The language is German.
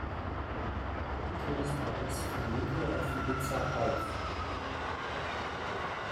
Todestages von Nico auf Ibiza auf.